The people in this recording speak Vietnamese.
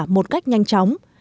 một cách nhanh chóng